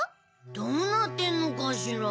どうなってんのかしら？